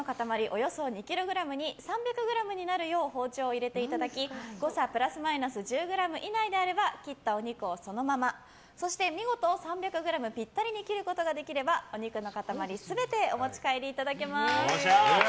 およそ２ｋｇに３００ｇになるよう包丁を入れていただき誤差プラスマイナス１０ｇ以内であれば切ったお肉をそのまま見事３００ｇぴったりに切ることができればお肉の塊全てお持ち帰りいただけます。